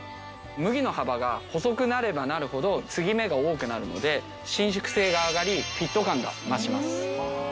麦の幅が細くなればなるほど継ぎ目が多くなるので伸縮性が上がりフィット感が増します。